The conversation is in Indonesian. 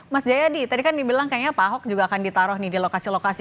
mas jayadi tadi kan dibilang kayaknya pak ahok juga akan ditaruh nih di lokasi lokasi